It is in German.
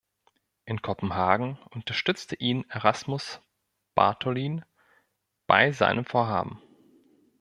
In Kopenhagen unterstütze ihn Erasmus Bartholin bei seinem Vorhaben.